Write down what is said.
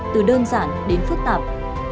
từ đơn giản đến phức tạp